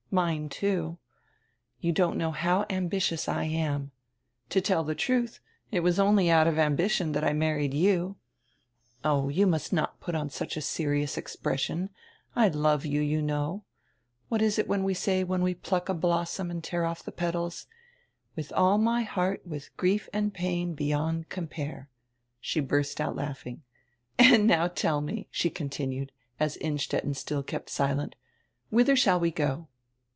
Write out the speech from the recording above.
Mine, too. You don't know how ambitious I am. To tell the truth, it was only out of ambition that I mar ried you. Oh, you nrust not put on such a serious expres sion. I love you, you know. What is it we say when we pluck a blossom and tear off tire petals? 'With all my heart, with grief and pain, beyond compare.'" She burst out laughing. "And now tell me," she continued, as Innstetten still kept silent, "whither shall we go?"